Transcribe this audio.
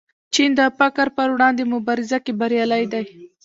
چین د فقر پر وړاندې مبارزه کې بریالی دی.